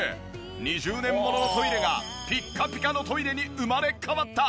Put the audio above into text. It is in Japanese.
２０年もののトイレがピッカピカのトイレに生まれ変わった！